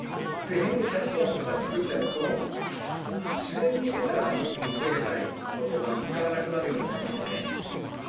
変にカリキュラムとか作っちゃうと自然にしてたら見つけれたいことが見つからなくなるような気もしてて。